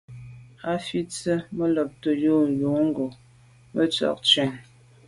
A fi tsə. Mə lὰbtə̌ Wʉ̌ yò ghò Mə tswə ntʉ̀n.